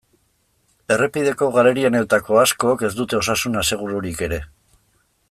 Errepideko galerianoetako askok ez dute osasun asegururik ere.